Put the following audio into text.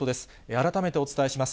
改めてお伝えします。